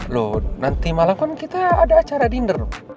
loh nanti malam kan kita ada acara dinner